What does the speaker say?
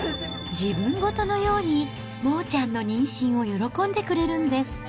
自分事のように、モーちゃんの妊娠を喜んでくれるんです。